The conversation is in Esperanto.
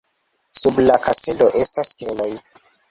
Sub la kastelo estas keloj.